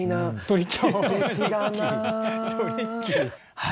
はい。